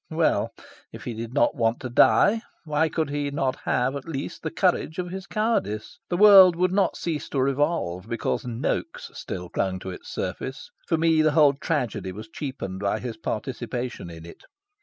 Well, if he did not want to die, why could he not have, at least, the courage of his cowardice? The world would not cease to revolve because Noaks still clung to its surface. For me the whole tragedy was cheapened by his participation in it.